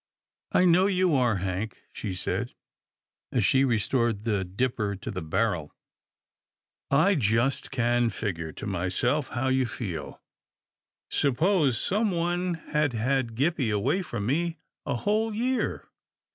" I know you are. Hank," she said, as she re stored the dipper to the barrel. " I just can figure to myself how you feel. Suppose some one had had Gippie away from me a whole year